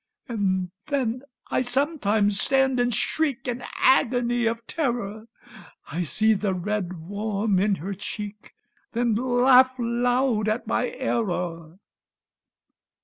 And then I sometimes stand and shriek In agony of terror: I see the red warm in her cheek, Then laugh loud at my error.